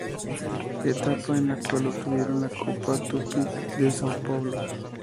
Etapa en la cual obtuvieron la Copa Tupi de Sao Paulo.